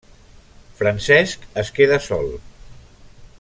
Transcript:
Francesc es queda sol.